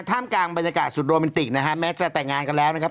ท่ามกลางบรรยากาศสุดโรแมนติกนะฮะแม้จะแต่งงานกันแล้วนะครับ